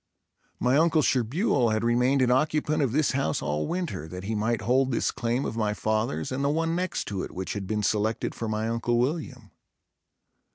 My uncle Sherbuel had remained an occupant of this house all winter, that he might hold this claim of my father's and the one next to it, which had been selected for my Uncle William.